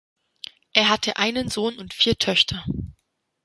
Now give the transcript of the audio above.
Er hatte einen Sohn und vier Töchter.